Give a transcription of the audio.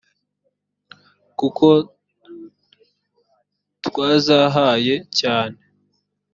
kuko twazahaye cyane